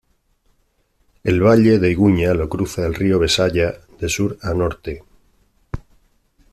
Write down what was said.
El valle de Iguña lo cruza el río Besaya de sur a norte.